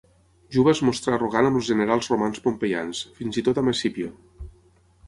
Juba es mostrà arrogant amb els generals romans pompeians, fins i tot amb Escipió.